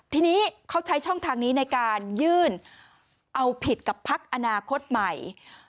ทีนี้เขาใช้ช่องทางนี้ในการยื่นเอาผิดกับพักอนาคตใหม่